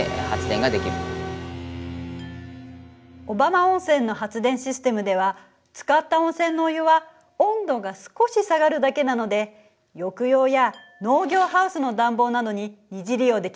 小浜温泉の発電システムでは使った温泉のお湯は温度が少し下がるだけなので浴用や農業ハウスの暖房などに二次利用できるそうよ。